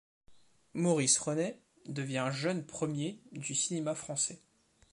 Maurice Ronet devient un jeune premier du cinéma français.